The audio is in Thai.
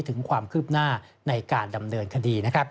ถึงความคืบหน้าในการดำเนินคดี